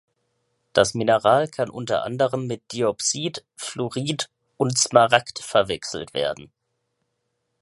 Das Mineral kann unter anderem mit Diopsid, Fluorit und Smaragd verwechselt werden.